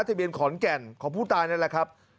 ทะเบียนขอนแก่นของผู้ตายนั่นแหละครับ